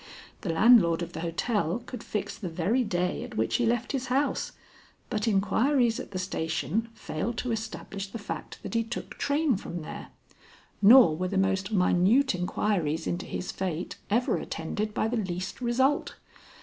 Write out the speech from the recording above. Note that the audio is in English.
The landlord of the hotel could fix the very day at which he left his house, but inquiries at the station failed to establish the fact that he took train from there, nor were the most minute inquiries into his fate ever attended by the least result.